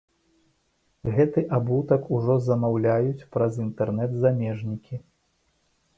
Гэты абутак ужо замаўляюць праз інтэрнэт замежнікі.